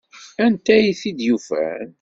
Anta ay t-id-yufan?